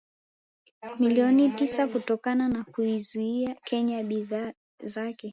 Milioni tisa kutokana na kuiuzia Kenya bidhaa zake